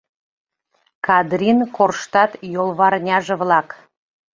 Кадрин корштат йолварняж-влак